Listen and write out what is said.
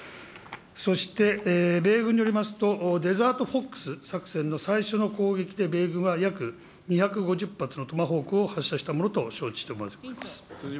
そして、米軍によりますと、デザートフォックス作戦の最初の攻撃で米軍は約２５０発のトマホークを発射したものを承知をしております。